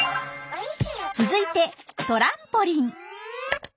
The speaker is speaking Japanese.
続いて「トランポリン」。